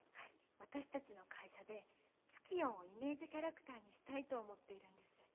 私たちの会社でツキヨンをイメージキャラクターにしたいと思っているんです。